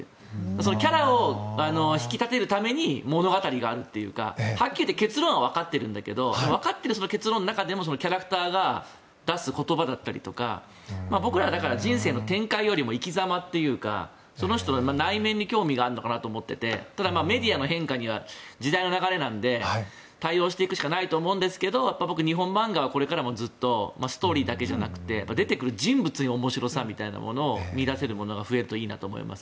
キャラを引き立てるために物語があるというかはっきり言って結論はわかっているけどわかっている結論の中でもキャラクターが出す言葉だったり僕ら、人生の展開よりも生き様というか、その人の内面に興味があるのかなと思っていてただ、メディアの変化には時代の流れなので対応していくしかないと思うんですけど僕は日本漫画はこれからもずっとストーリーだけじゃなくて出てくる人物に面白さみたいなものを見出せるものが増えるといいなと思います。